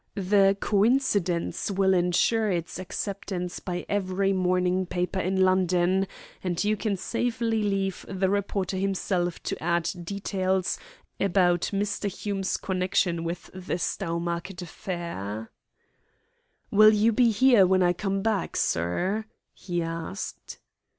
The 'coincidence' will ensure its acceptance by every morning paper in London, and you can safely leave the reporter himself to add details about Mr. Hume's connection with the Stowmarket affair." The detective rose. "Will you be here when I come back, sir?" he asked.